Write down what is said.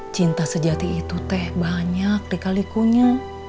cinta sejati itu teh banyak dikalikunya